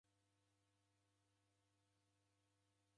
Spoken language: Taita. W'andu w'azoghua.